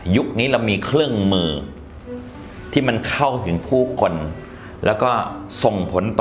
นี้เรามีเครื่องมือที่มันเข้าถึงผู้คนแล้วก็ส่งผลต่อ